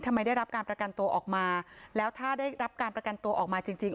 ได้รับการประกันตัวออกมาแล้วถ้าได้รับการประกันตัวออกมาจริงจริง